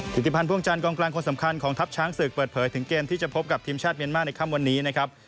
ธิติพันธ์พ่วงจันทร์กองกลางคนสำคัญของทัพช้างศึกเปิดเผยถึงเกมที่จะพบกับทีมชาติเมียนมาร์ในค่ำวันนี้นะครับ